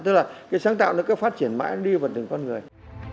tức là cái sáng tạo nó cứ phát triển mãi đi vào từng con người